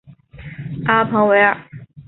阿彭维尔。